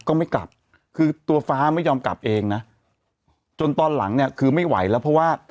ก็ไม่กลับคือตัวฟ้าไม่ยอมกลับเองนะจนตอนหลังเนี่ยคือไม่ไหวแล้วเพราะว่า